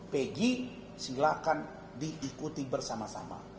pegi silahkan diikuti bersama sama